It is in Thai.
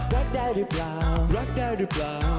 รักได้หรือเปล่า